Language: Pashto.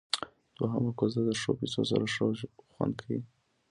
دوهمه کوزده د ښو پيسو سره ښه خوند کيي.